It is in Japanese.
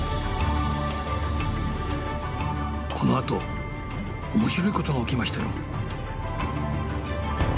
このあと面白いことが起きましたよ。